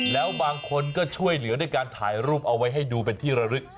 แล้วบางคนก็ช่วยเหลือด้วยการถ่ายรูปเอาไว้ให้ดูเป็นที่ระลึก